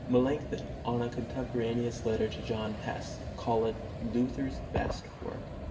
Melanchthon, in a contemporaneous letter to John Hess, called it Luther's best book.